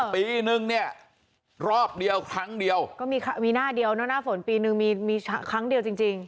ปีนึงเนี่ยรอบเดียวครั้งเดียวก็มีหน้าฝนปีนึงมีครั้งเดียวจริง